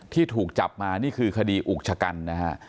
ที่ถูกจับมานี่คือคดีอุกชะกันนะฮะ